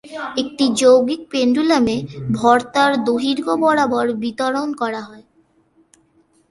একটি যৌগিক পেন্ডুলামে, ভর তার দৈর্ঘ্য বরাবর বিতরণ করা হয়।